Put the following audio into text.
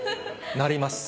なります。